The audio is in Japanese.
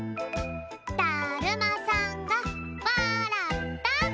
だるまさんがわらった！